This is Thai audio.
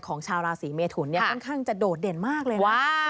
ของชาวราศีเมฑุ้นเนี่ยค่ะค่อนข้างจะโดดเด่นมากเลยว้าว